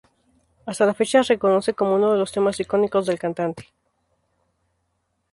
Hasta la fecha se reconoce como uno de los temas icónicos del cantante.